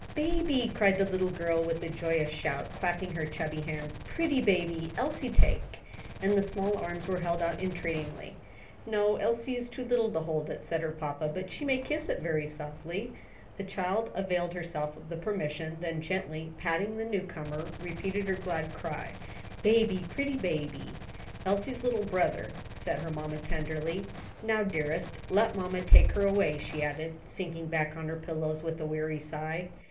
"Baby!" cried the little girl, with a joyous shout, clapping her chubby hands, "pretty baby Elsie take"; and the small arms were held out entreatingly. "No, Elsie is too little to hold it," said her papa; "but she may kiss it very softly." The child availed herself of the permission, then gently patting the newcomer, repeated her glad cry, "Baby, pretty baby." "Elsie's little brother," said her mamma, tenderly. "Now, dearest, let mammy take her away," she added, sinking back on her pillows with a weary sigh.